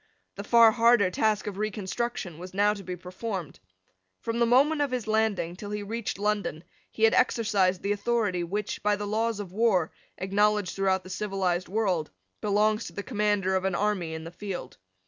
The far harder task of reconstruction was now to be performed. From the moment of his landing till he reached London he had exercised the authority which, by the laws of war, acknowledged throughout the civilised world, belongs to the commander of an army in the field.